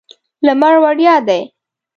لمر وړیا دی.